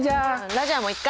「ラジャ」も１回。